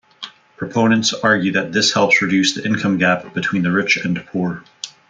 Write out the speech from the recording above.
Proponents argue that this helps reduce the income gap between the rich and poor.